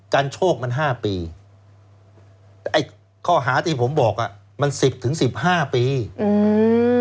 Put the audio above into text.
โชคมันห้าปีไอ้ข้อหาที่ผมบอกอ่ะมันสิบถึงสิบห้าปีอืม